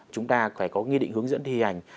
chúng ta phải có nghi định hướng dẫn thi hành